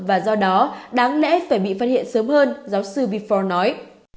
và do đó đáng lẽ phải bị phát hiện sớm hơn giáo sư bifor nói